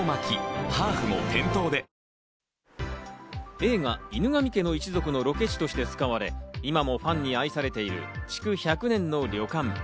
映画『犬神家の一族』のロケ地として使われ、今もファンに愛されている築１００年の旅館。